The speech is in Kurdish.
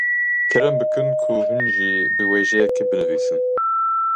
Kerem bikin hûn jî biwêjekê binivîsin.